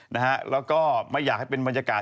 แล้วก็ไม่อยากให้เป็นบรรยากาศ